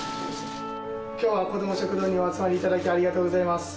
今日は子ども食堂にお集まりいただいてありがとうございます。